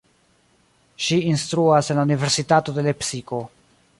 Ŝi instruas en la Universitato de Lepsiko.